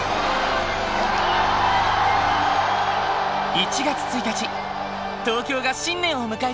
１月１日東京が新年を迎えた。